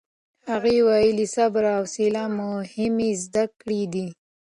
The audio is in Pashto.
هغې ویلي، صبر او حوصله مهمې زده کړې دي.